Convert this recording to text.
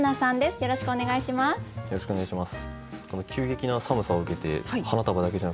よろしくお願いします。